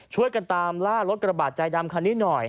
ช่วยกันตามล่ารถกระบาดใจดำคันนี้หน่อย